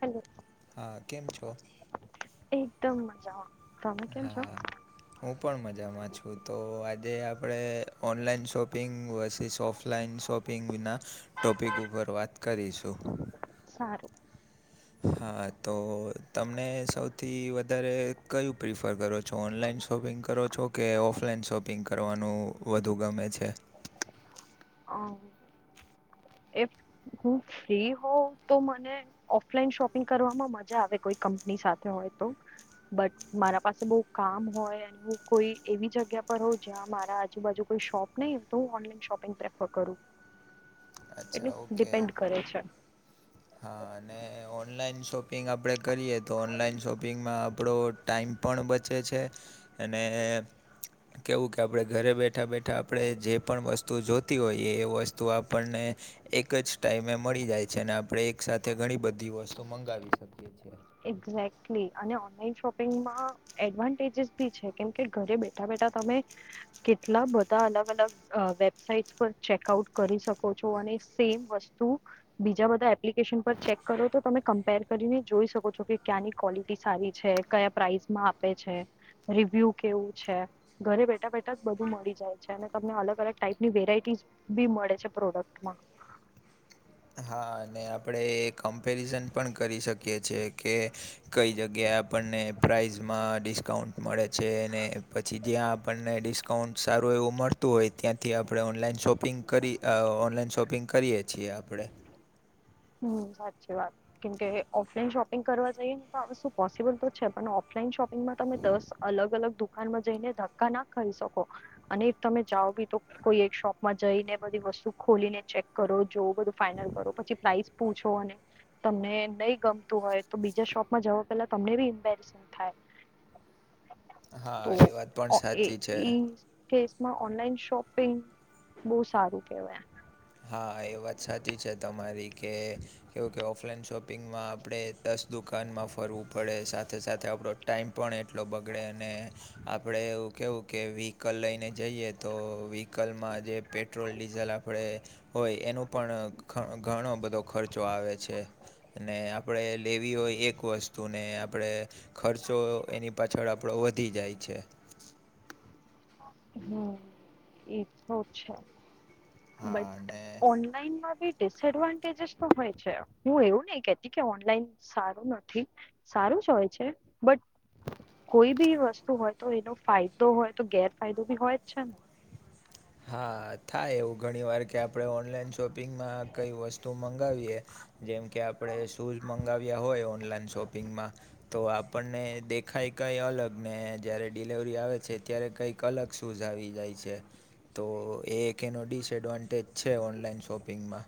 Hello હા કેમ છો? એકદમ મજામાં. તમે કેમ છો હા હું પણ મજામાં છું તો આજે આપણે online shopping versus offline shopping વિના ટોપિક ઉપર વાત કરીશું. સારું હા તો તમને સૌથી વધારે કયું પ્રિફર કરો છ? જો ઓનલાઈન શોપિંગ કરો છો કે ઓફલાઈન શોપિંગ કરવાનું વધુ ગમે છે? હ એ હું ફ્રી હોઉવ તો મને ઓફલાઈન શોપિંગ કરવામાં મજા આવે કોઈ કંપની સાથે હોય તો બટ મારા પાસે બહ કામ હોય અને હું કોઈ એવી જગ્યા પર હોઉ જ્યાં મારા આજુબાજુ કોઈ શોપ નઈ તો હું ઓનલાઈન શોપિંગ પ્રેફર કરું. એટલે અચ્છા ઓકે ડિપેન્ડ કરે છે. હા અને ઓનલાઈન શોપિંગ આપણે કરીએ તો ઓનલાઈન શોપિંગમાં આપણો ટાઈમ પણ બચે છે અને કેવું કે આપણે ઘરે બેઠ રે બેઠા આપણે જે પણ વસ્તુ જોતી હોઈએ એ વસ તો આપણને એક જ ટાઈમે મળી જાય છે અને આપણે એક સાથે ઘણી બધી વસ્તુ મંગાવી શકીએ છીએ એક્ઝેક્ટલી અને ઓનલાઈન શોપિંગમાં એડવાન્ટેજસ [unintelligible] કેમ કે ઘરે બેઠા બેઠા તમે કેટલા બધા અલગ અલગ અ વેબસાઇટ પર ચેક આઉટ કરી શકો છો અને સેમ વસ્તુ બીજા બધા એપ્લિકેશન પર ચેક કરો તો તમે કમ્પેર કરીને જોઈ શકો જોકે ક્યાંની ક્વોલિટી સારી છે કયા પ્રાઇસમાં આપે છે રિવ્યુ કેવું છે ઘરે બેઠા બેઠા જ બધું મળી જાય છે અને તમને અલગ અલગ ટાઈપની વેરાઈટી બી મળે છે પ્રોડક્ટમાં હા અને આપણે એ કમ્પેરિઝન પણ કરી શકીએ છીએ કે કઈ જગ્યાએ આપણને પ્રાઇઝમાં ડિસ્કાઉન્ટ મળે છે અને પછી જ્યાં આપણને ડિસ્ક કાઉન્ટ સારું એવું મળતું હોય ત્યાંથી આપણે ઓનલાઈન શોપિંગ કરી ઓનલાઈન શોપિંગ કરીએ છીએ [unintelligible] હુ સાચી વાત કેમકે ઓફલાઈન શોપિંગ કરવા જઈએ ને તો આવુ પોસિબલ તો છે પણ ઓફલાઈન શોપિંગમાં તમે દસ અલગ અલગ દુકાનમાં જઈને ધક્કા ના ખાઈ શકો અને એ તમે જાઓ બી તો કોઈ એક શોપમાં જઈને બધી વસ્તુ ખોલીને ચેક કરો જો બધું ફાાઈનલ કરો પછી પ્રાઈઝ પૂછો અને તમને નહી ગમતું હોય તો બીજા શોપમાં જવા પેલા તમને ભી ઇમ્પેક્ટસ થાય હા તો એ વાત પણ ઓકે સાચી છે ઈ કેસમાં ઓનલાઈન શોપિંગ બહુ સારું કેવાય હા એ વાત સાચી છે તમારી કે એવુ કે ઓફલાઈન શોપિંગમાં આપણે દસ દુકાનમાં ફરવું પડે સાથે સાથે આપડો ટાઈમ પણ એટલો બગડે અને આપડે એવું કેવું કે વ્હીકલ લઈને જઈએ તો વ્હીકલમાં જે પેટ્રોલ ડીઝલ આપડે હોય એનું પણ ઘણો બધો ખર્ચો આવે છે અને આપણે લેવી હોય એક વસ્તુને આપળે ખર્ચો એની પાછળ આપળો વધી જાય છે હુ એ તો છે હા બટ અને ઓનલાઈનમાં બી ડિસએડવાન્ટેજસ તો હોય છે હું એવું નહી કે [unintelligible] કે ઓનલાઈન સારું નથી સારું જ હોય છે બટ કોઈ બી વસ્તુ હોય તો એનો ફાયદો હોય તો ગેરફાયદો બી હોય જ છે ને [unintelligible] હા થાય એવું ઘણી વાર કે આપણે ઓનલાઈન શોપિંગમાં કઈ વસ્તુ મંગાવીએ જેમ કે આપડે શૂઝ મંગાવ્યા હોય ઓનલાઈન શોપિંગમાં તો આપણને દેખાય કઈ અલગ ને જયારે ડિલેવરી આવે છે ત્યારે કઈક કલક સુઝ આવી જાય છે તો એ એક એનો ડિસએડવાન્ટેજ છે ઓનલાઈન શોપિંગમાં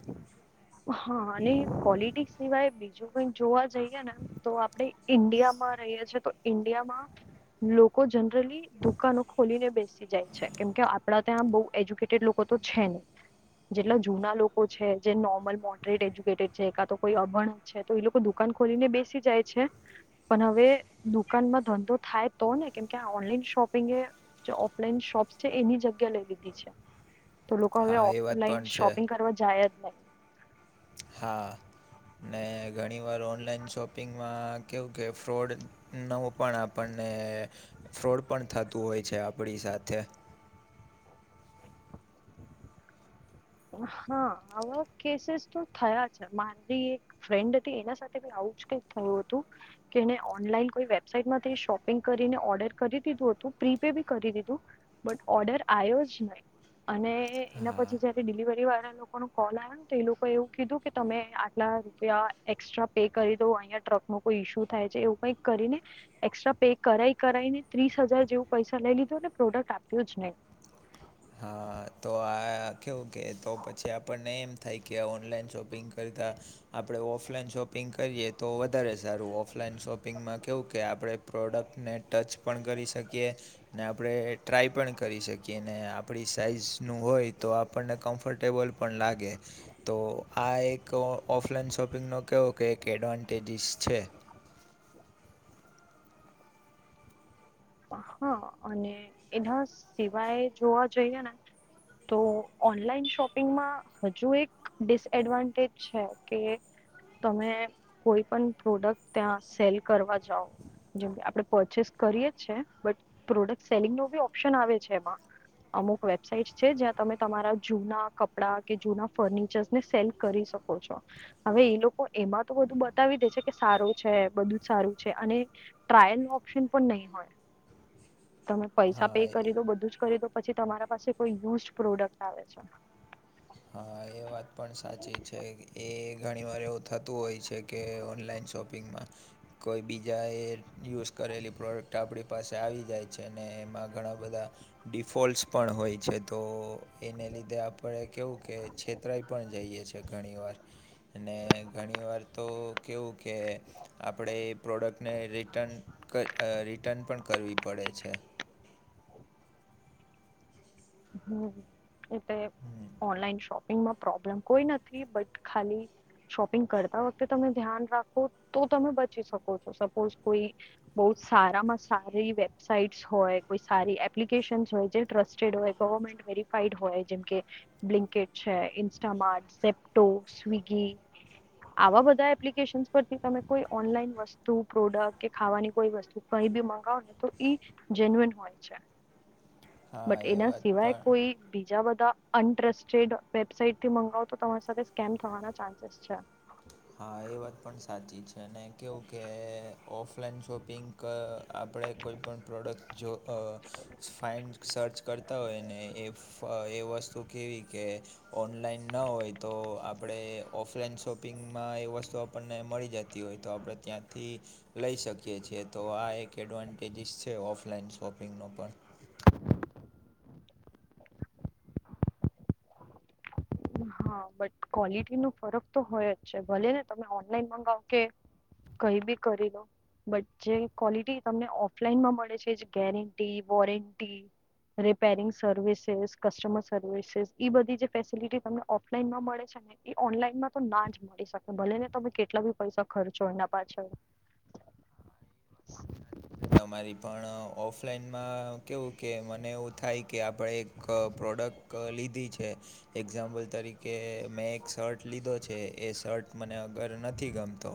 હ અને કોલિટિક્સ સિવાય બીજું પન જોવા જઈએ ને તો આપળે ઈન્ડિયા માં રહીએ છીએ તો ઈન્ડિયામાં લોકો જનરલી દુકાનો ખોલીને બેસે [unintelligible] જાય છે કેમ કે આપડા ત્યાં બહુ એજ્યુકેટેડ લોકો તો છે નહી જેટલા જૂના લોકો છે જે નો મોટ્રેડ એજ્યુકેટેડ કે છે કોઈ અભણ છે તો એ લોકો દુકાન ખોલીને બેસી જાય છે. પણ હવે દુકાનમાં ધંધો થાય તો ને કેમકે ઓનલાઈન શોપિંગ એ જે ઓફલાઈન શોપ્સ છે એની જગ્યા લઈ લીધી છે. [inaudible] તો લોકો હવે હા એ વાત ઓફલાઈન પણ છે શોપિંગ કરવા જાય જ નહી. હા ને ઘણીવાર ઓનલાઈન શોપિંગમાં કેવું કે ફ્રોડ નવું પણ આપણને ફ્રોડ પણ થતું હોય છે આપણી સાથે હા આવા કેસીસ તો થયા છે માંનવી એક ફ્રેન્ડ હતી એના સાથે આવું જ કઈક થયું હતું. કે એને ઓનલાઈન કોઈ વેબસાઈટમાંથી શોપિંગ કરીને ઓર્ડર કરી દીધું હતું પ્રીપે બી કરી દીધું. બટ ઓર્ડર આવ્યો જ નહી અને એના હા પછી જયારે ડિલિવરી વાળા લોકો નો કોલ આવ તો એ લોકો એવું કીધું કે તમે આટલા રૂપિયા એસ્ટ્રા પે કરી દો અહિયાં ટ્રક નો કોઈ ઈસ્યુ થાય છે એવું કઈ કરીને એસ્ટ્રા પે કરાઈ કરાઈ ને ત્રીસ હજાર જેવું પૈસા લઇ લીધુંને પ્રોડક્ટ આપ્યું જ નહી. હા તો આ આ કેવું કે તો પછી આપણને એમ થાય કે ઓનલાઈન શોપિંગ કરતા આપણે ઓફલાઈન શોપિંગ કરીએ તો વધારે સારું ઓફલાઈન શોપિંગમાં કેવું કે આપડણે પ્રોડક્ટને ટચ પણ કરી શકીએ. ને આપણે ટ્રાય પણ કરી શકીએ ને આપણી સાઈઝનું હોય. તો આપણને કમ્ફર્ટેબલ પણ લાગે તો આ એક ઓફલાઈન શોપિંગનો કેવો કે એક એડવાન્ટેજિસ છે. હા અને એના સિવાય જોવા જઈએ ને તો ઓનલાઈન શોપિંગમાં હજુ એક ડિસએડવાન્ટેજ છે કે તમે કોઈ પણ પ્રોડક્ટ ત્યાં સેલ કરવા જાઓ જેમ કે આપડણે પરચેસ કરીએ જ છે બટ પ્રોડક્ટ સેલિંગ નો બી ઓપ્શન આવે છે એમાં અમુક વેબસાઈટ છે જ્યાં તમે તમારા જૂના કપડા કે જૂના ફર્નિચર્ને સેલ કરી શકો છો. હવે એ લોકો એમાં તો બધું બતાવી દે છે કે સારું છે બધું જ સારું છે અને ટ્રાયલ ઓપ્શન પણ નહી હોય. તમે પૈસા પે હા કરી દો બધું જ કરી દો પછી તમારા પાસે કોઈ યુઝ પ્રોડક્ટ આવે છે. હા એમ વાત પણ સાચી છે એ ઘણી વાર એવું થતું હોય છે. કે ઓનલાઈન શોપિંગમાં કોઈ બીજા એ યુઝ કરેલી પ્રોડક્ટ આપણી પાસે આવી જાય છે અને એમાં ઘણા બધા ડિફોલ્ટસ પણ હોય છે તો એને લીધે આપણે કેવું કે છે. ઉતરાઈ પણ જઈએ છે ઘણી વાર અને ઘણી વાર તો કેવું કે આપણે એ પ્રોડક્ટને રિટન ક રિટન પણ કરવી પડે છે. હમ એ તો હમ, ઓનલાઈન શોપિંગમાં પ્રોબ્લેમ કોઈ નથી બટ ખાલી શોપિંગ કરતા વખતે તમે ધ્યાન રાખો તો તમે બચી શકો છો સપોઝ કોઈ બહુ જ સારામાં સારી વેબસાાઈટ્સ હોય કોઈ સારી એપ્લિકેશનસ હોય જે ટ્રસ્ટેડ હોય ગવર્મેન્ટ વેરીફાઈડ હોય જેમ કે બ્લિન્કેટ છે ઇન્સ્ટમાટ ઝેપ્ટો સ્વિગી આવા બધા એપ્લિકેશનસ પરથી તમે કોઈ ઓનલાઈન વસ્તુ પ્રોડક્ટ કે ખાવાની કોઈ વસ્તુ કઈ બી મંગાવ ને તો ઈ જેન્યુન હોય છે. હા, એ વાત આવી પણ કોઇ બીજા બધા અન્ટરેસ્ટેડ વેબસાટ થી મંગાવતો તમારી સાથે સ્કેમ થવા ચાન્સ અચછા હા એ વાત પણ સાચી છે, અને કેવું કે ઓફલાઈન શોપિંગ ક આપણે કોઈપણ પ્રોડક્ટ જો અ ફાઇન્ડ સર્ચ કરતા હોય ને, એ ફ એ વસ્તુ કેવી કે ઓનલાઈન ન હોય તો, આપડે ઓફલાઈન શોપિંગ અમાં એ વસ્તુ આપણને મળી જતી હોય તો, આપણે ત્યાંથી લઈ શકીએ છેએ તો, આ એક એડવાન્ટેજીિસ છે, ઓફલાઈન શોપિંગનો પણ. હા, બટ ક્વોલિટી નો ફરક તો હોયજ છે, ભલે ને તમે ઓનલાઈન મગાવો કે કઈબી કરીલો. બટ જે ક્વોલિટી તમને ઓફલાઈનમાં મળે છે, જે guarantee warranty repairing services, customer services, ઇ બધી જે ફેસિલિટી તમને ઓફલાઈન માં મળે છે ને એ એ ઓનલાઈનમાં તો ના જ મળી શકે, ભલે ને તમે કેટલા બી પૈસા ખર્ચો એના પાછળ. તમારી પણ, ઓફલાઈનમાં કેવું કે મને એવું થાય કે આપડે એક પ્રોડક્ટ લીધી છે. એક્ઝામ્પલ તરીકે મેં એક શર્ટ લીધો છે, એ શર્ટ મને અગર નથી ગમતો,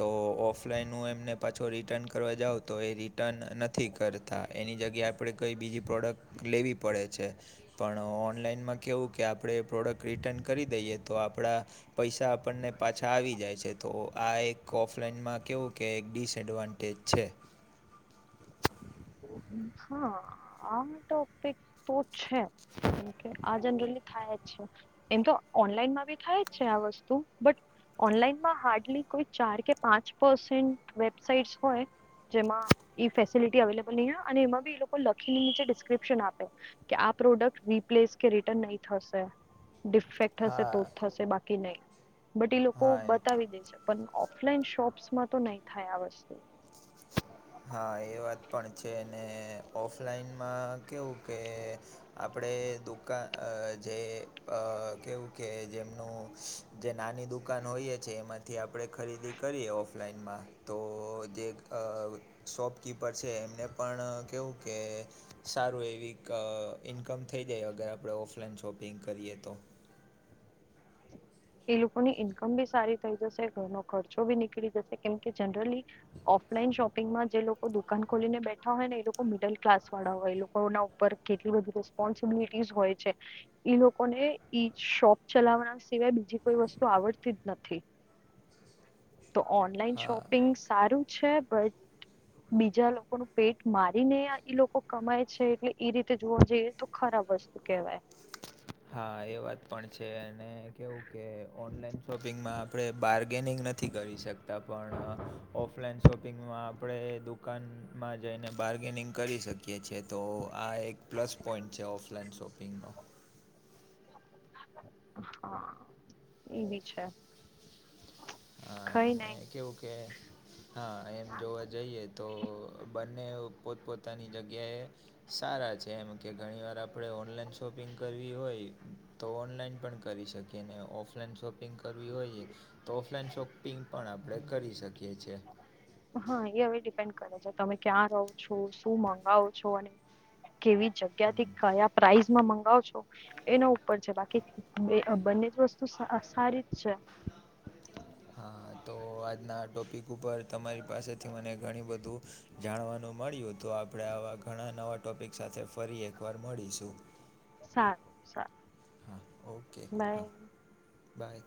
તો ઓફલાઈન હું એમને પાછો રિટર્ન કરવા જાઉં તો એ રિટર્ન નથી કરતા, એની જગ્યાએ આપણે કઈ બીજી પ્રોડક્ટ લેવી પડે છે. પણ ઓનલાઈનમાં કેવું, કે આપડે એ પ્રોડક્ટ રિટર્ન કરી દઈએ તો આપડા પૈસા આપણને પાછા આવી જાય છે, તો આ એક ઓફલાઈનમાં કેવું કે એક ડિસએડવાન ટેજ છે. હા આમ ટોપિક તો છે. કારણ કે આ જનરલી થાયજ છે. એમ તો ઓનલાઈનમાં બી થાયજ છે આ વસ્તુ, બટ ઓનલાઈનમાં હાર્ડલી કોઈ ચાર કે પાંચ પસેન્ટ વેબસાઇટસ હોય. જેમાં ઇ ફેસિલિટી અવેલેબલ નહીં હોય, અને એમાં બી એ લોકો લખી ને નીચે ડિસ્ક્રિપ્શન આપે. કે આ પ્રોડક્ટ રિપ્લેસ કે રિટર્ન નહી થશે. ડિફેક્ટ હશે તો હા જ થશે, બાકી નહી, બટ ઇ લોકો હા એમ બતાવી દે છે. પણ ઓફલાઈન શોપ્સમાં તો નહી થાય આ વસ્તુ. હા, એ વાત પણ છે, ને ઓફલાઈનમાં કેવું કે, આપડે દુકાન અ જે અ કેવું કે, જેમનું જે નાની દુકાન હોઈએ છે, એમાં થી આપડે ખરીદી કરીએ ઓફલાઈનમાં, તો જે અ શોપકીપર છે, એમને પણ કેવું કે સારું એવી ક ઇન્કમ થઈ જાય, અગર આપણે ઓફલાઈન શોપિંગ કરીએ તો. એ લોકોની ઈન્કમ બી સારી થઈ જશે, ઘરનો ખર્ચો બી નીકળી જશે, કેમકે જનરલી. ઓફલાઈન શોપિંગમાં જે લોકો દુકાન ખોલીને બેઠા હોયને, એ લોકો મિડલ ક્લાસ વાળા હોય લોક ઘરોના ઉપર કેટલી બધી રેસ્પોન્સિબિલિટીસ હોય છે. ઈ લોકોને ઈ શોપ ચલાવા સિવાય બી જી કોઈ વસ્તુ આવડતી જ નથી. તો ઓનલાઈન હા શોપિંગ સારું છે, બટ [inaudible] બીજા લોકોનું પેટ મારીને આ ઈ લોકો કમાય છે, એટલે ઇ રીતે જોવા જઈએ તો ખરાબ વસ્તુ. કેવાય. હા એ વાત પણ છે, અને કેવું કે ઓનલાઈન શોપિંગમાં આપણે બાર ગેનિંગ નથી કરી શકતા પણ ઓફલાઈન શોપિંગમાં આપણે દુ દુકાનમાં જઈને બાર્ગેનિંગ કરી શકીએ છીએ તો આ એક પ્લસ પોઈન્ટ છે, ઓફલાઈન શોપ. પિગનો હા એવી છે કઈ નહી અને કેવું કે હા એમ જોવા જઈએ તો બ અને પોતપોતાની જગ્યાએ સારા છે, એમ કે ઘણી વાર આપણે ઓનલાઈન શોપિંગ કરવી હોય. તો ઓનલાઈન પણ કરી શકીએ અનેને ઓફલાઈન શોપિંગ કરવી હોઈએ. તો ઓફલાઈન શોપિંગ પણ આપણે કરી શકીએ છીએ. હા એ હવે ડિપેન્ડ કરે છે, તમે ક્યાં રહો છો? શું મંગાવો છો? અને કેવી જગ્યા થી કયા પ્રાઇસમાં મંગાવ છો એના ઉપર છે, બાકી બંને જ વસ્તુ સારી જ છે. હા તો આજના ટોપિક ઉપર તમારી પાસેથી મને ઘણી બધું જાણવાનું મળ્યું તો આપણે આવા ઘણા નવા ટોપિક સાથે ફરી એકવાર મળીશું. સારું સારું હા ઓકે બાય હા બાય